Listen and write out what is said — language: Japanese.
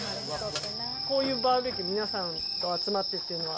こういうバーベキュー、皆さん、集まってっていうのは。